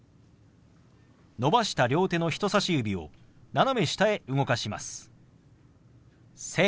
伸ばした両手の人さし指を斜め下へ動かします。